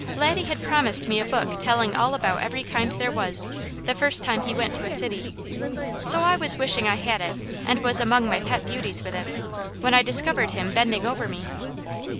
Laddie had promised me a book telling all about every kind there was, the first time he went to a city, so I was wishing I had it, and was among my pet beauties with it, when I discovered him bending over me.